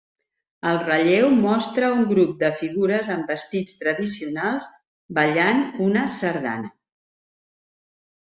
El relleu mostra un grup de figures amb vestits tradicionals ballant una sardana.